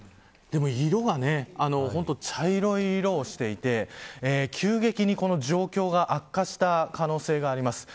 色がほんとに茶色い色をしていて急激にこの状況が悪化した可能性があります。